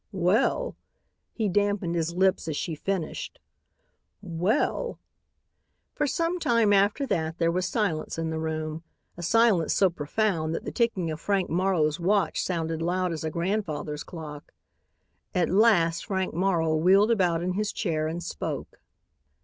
"Well," he dampened his lips as she finished, "well!" For some time after that there was silence in the room, a silence so profound that the ticking of Frank Morrow's watch sounded loud as a grandfather's clock. At last Frank Morrow wheeled about in his chair and spoke.